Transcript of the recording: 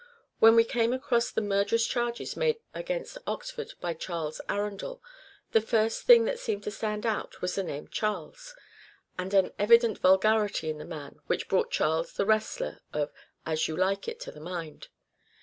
When we came across the murderous charges made against Oxford by Charles Arundel, the first thing that seemed to stand out was the name " Charles," and an evident vulgarity in the man, which brought Charles the wrestler, of "As You Like It," to the mind.